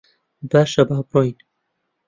باشە، با بڕۆین.